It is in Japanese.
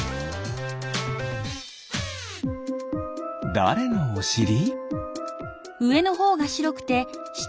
だれのおしり？